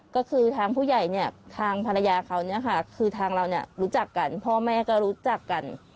ก็คือทางผู้ใหญ่เนี่ยทางภรรยาเขาเนี่ยค่ะคือทางเราเนี่ยรู้จักกันพ่อแม่ก็รู้จักกัน